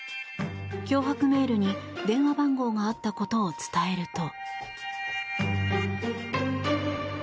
脅迫メールに電話番号があったことを伝えると。